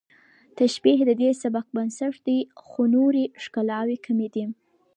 تشبیه د دې سبک بنسټ دی خو نورې ښکلاوې کمې دي